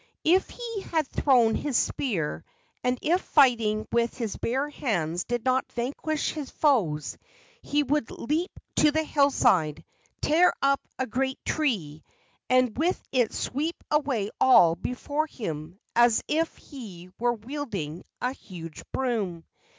If he had thrown his spear and if fighting with his bare hands did not vanquish his foes, he would leap to the hillside, tear up a great tree, and with it sweep away all before him as if he were wielding a huge broom.